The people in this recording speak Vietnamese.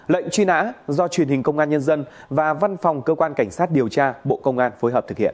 lệnh truy nã do truyền hình công an nhân dân và văn phòng cơ quan cảnh sát điều tra bộ công an phối hợp thực hiện